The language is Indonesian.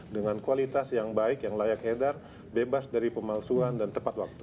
dengan kualitas yang baik yang layak edar bebas dari pemalsuan dan tepat waktu